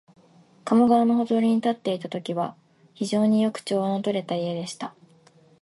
加茂川のほとりに建っていたときは、非常によく調和のとれた家でした